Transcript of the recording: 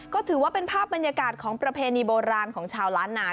ก็ถือว่าเป็นภาพบรรยากาศของประเพณีโบราณของชาวล้านนา